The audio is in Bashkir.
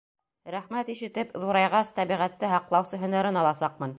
Рәхмәт ишетеп, Ҙурайғас, тәбиғәтте һаҡлаусы һөнәрен аласаҡмын.